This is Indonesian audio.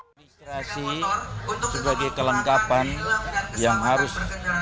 administrasi sebagai kelengkapan yang harus